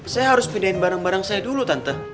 saya harus pindahin barang barang saya dulu tante